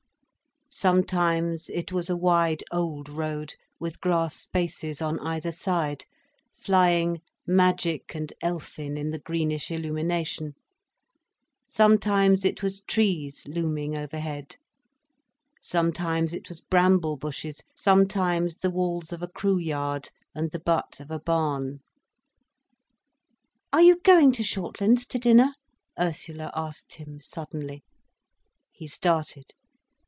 Sometimes it was a wide old road, with grass spaces on either side, flying magic and elfin in the greenish illumination, sometimes it was trees looming overhead, sometimes it was bramble bushes, sometimes the walls of a crew yard and the butt of a barn. "Are you going to Shortlands to dinner?" Ursula asked him suddenly. He started.